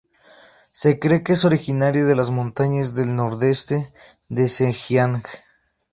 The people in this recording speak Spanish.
Se cree que es originaria de las montañas del nordeste de Zhejiang.